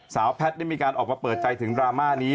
แพทย์ได้มีการออกมาเปิดใจถึงดราม่านี้